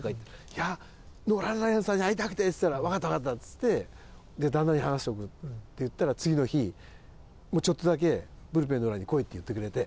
「いやノーラン・ライアンさんに会いたくて」って言ったら「わかったわかった」っつって「旦那に話しておく」って言ったら次の日「ちょっとだけブルペンの裏に来い」って言ってくれて。